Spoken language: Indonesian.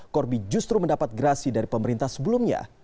corby justru mendapat grasi dari pemerintah sebelumnya